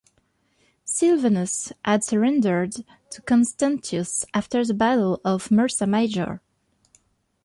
Silvanus had surrendered to Constantius after the Battle of Mursa Major.